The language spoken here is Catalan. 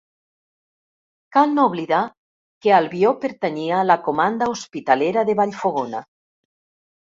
Cal no oblidar que Albió pertanyia a la comanda hospitalera de Vallfogona.